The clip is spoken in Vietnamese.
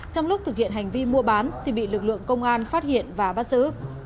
trong lúc thực hiện hành vi mua bán thì bị lực lượng công an phát hiện và bắt giữ